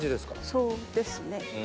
そうですね。